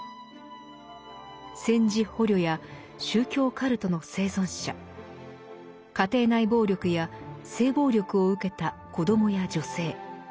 戦時捕虜や宗教カルトの生存者家庭内暴力や性暴力を受けた子どもや女性。